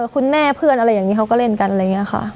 เพื่อนอะไรอย่างนี้เขาก็เล่นกันอะไรอย่างนี้ค่ะ